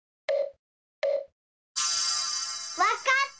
わかった！